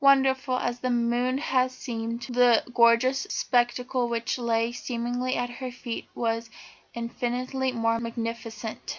Wonderful as the moon had seemed, the gorgeous spectacle which lay seemingly at her feet was infinitely more magnificent.